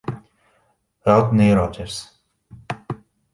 Rodney Rogers